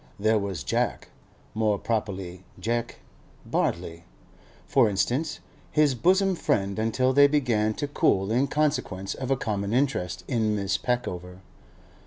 There was Jack—more properly 'Jeck'—Bartley, for instance, his bosom friend until they began to cool in consequence of a common interest in Miss Peckover.